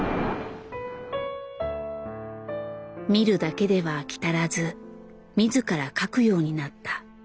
見るだけでは飽き足らず自ら描くようになった。